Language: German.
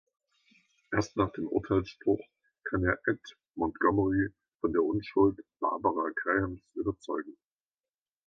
Erst nach dem Urteilsspruch kann er Ed Montgomery von der Unschuld Barbara Grahams überzeugen.